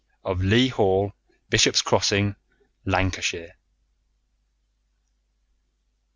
of Leigh Hall, Bishop's Crossing, Lancashire."